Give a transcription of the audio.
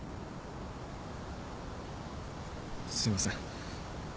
すいません。